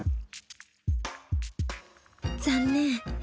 残念！